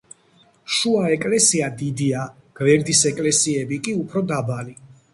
შუა ეკლესია დიდია, გვერდის ეკლესიები კი უფრო დაბალი.